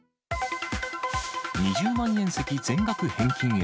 ２０万円席、全額返金へ。